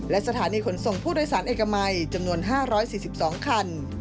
และสถานีขนส่งผู้โดยสารเอกมัยจำนวน๕๔๒คัน